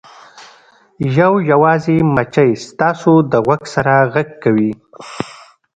یو یوازې مچۍ ستاسو د غوږ سره غږ کوي